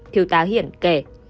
thiếu tá hiển kể